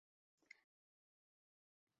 তা আর বলতে।